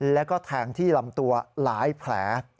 แล้วก็แทงที่ลำตัวหลายแผล